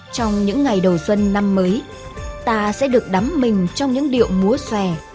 trong những ngày đầu xuân năm mới ta sẽ được đắm mình trong những điệu múa xòe